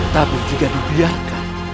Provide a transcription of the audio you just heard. tapi juga dibiarkan